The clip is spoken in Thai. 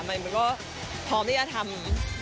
ไม่รู้ว่าพร้อมได้จะทำ